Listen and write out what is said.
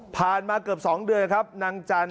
ผ่านมาเกือบสองเดือนครับนางจัน